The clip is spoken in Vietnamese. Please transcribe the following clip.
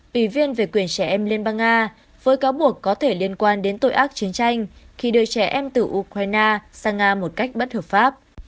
ủy viên về quyền trẻ em liên bang nga với cáo buộc có thể liên quan đến tội ác chiến tranh khi đưa trẻ em từ ukraine sang nga một cách bất hợp pháp